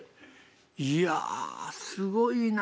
いやすごいな。